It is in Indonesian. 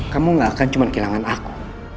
kamu gak akan cuma kehilangan aku